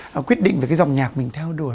nó quyết định về cái dòng nhạc mình theo đuổi